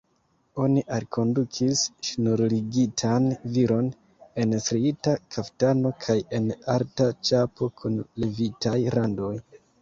Oni alkondukis ŝnurligitan viron en striita kaftano kaj en alta ĉapo kun levitaj randoj.